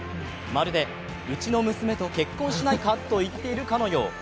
まるでうちの娘と結婚しないか？と言っているかのよう。